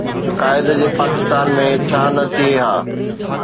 قائد جي پاڪستان ۾ ڇا نه ٿئي ها؟